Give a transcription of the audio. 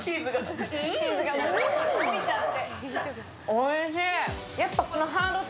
おいしい。